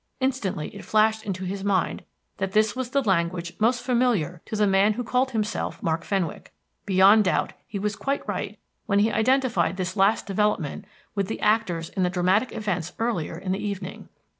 Instantly it flashed into his mind that this was the language most familiar to the man who called himself Mark Fenwick. Beyond doubt he was quite right when he identified this last development with the actors in the dramatic events earlier in the evening.